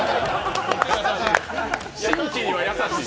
新規には優しい。